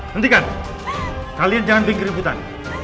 nentikan kalian jangan bikin ributan